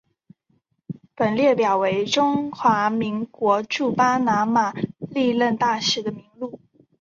本列表为中华民国驻巴拿马历任大使的名录。